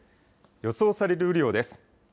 予想される雨量です。